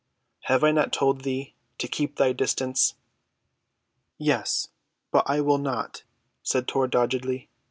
"Have I not told thee to keep thy distance?" "Yes, but I will not," said Tor doggedly.